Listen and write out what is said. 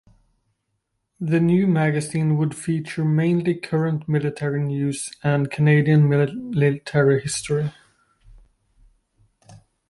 The new magazine would feature mainly current military news and Canadian military history.